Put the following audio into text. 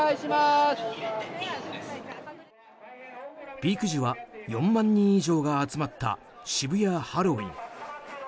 ピーク時は４万人以上が集まった、渋谷ハロウィーン。